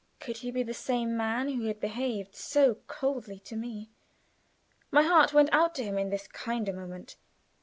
Could he be the same man who had behaved so coldly to me? My heart went out to him in this kinder moment.